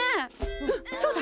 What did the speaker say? うんそうだ